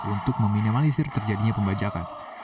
untuk meminimalisir terjadinya pembajakan